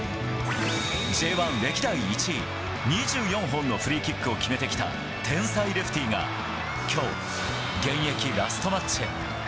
Ｊ１歴代１位、２４本のフリーキックを決めてきた天才レフティが、きょう、現役ラストマッチへ。